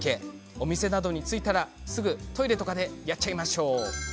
お店などに着いたらすぐトイレで、やっちゃいます。